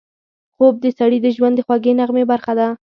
خوب د سړي د ژوند د خوږې نغمې برخه ده